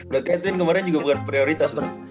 berarti edwin kemarin juga bukan prioritas loh kan